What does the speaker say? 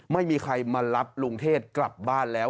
ไม่มีใครมารับลุงเทศกลับบ้านแล้ว